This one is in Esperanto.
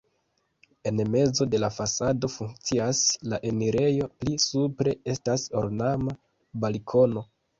En mezo de la fasado funkcias la enirejo, pli supre estas ornama balkono.